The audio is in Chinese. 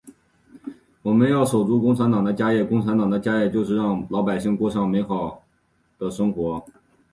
我们要守住共产党的家业，共产党的家业就是让老百姓过上幸福美好的生活。